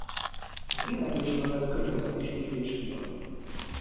Az éneklés mellett könyveket is ír és kiad.